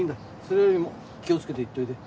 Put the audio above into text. それよりも気をつけて行っておいで。